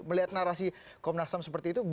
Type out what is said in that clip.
melihat narasi komnasam seperti itu